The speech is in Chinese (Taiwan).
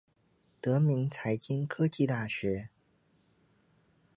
德明財經科技大學